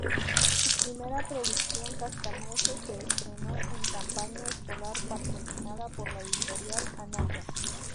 Su primera producción, "Cascanueces", se estrenó en campaña escolar patrocinada por la editorial Anaya.